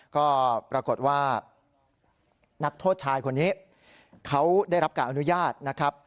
ก็ปรากฏว่านักโทษชายคนนี้เขาได้รับการอนุญาตนะครับ